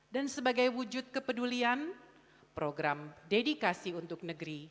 dan sebagai wujud kepedulian program dedikasi untuk negeri